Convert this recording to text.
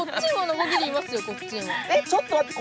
えっちょっと待って。